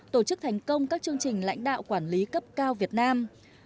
tổ chức thành công các chương trình lãnh đạo quản lý cấp cao việt nam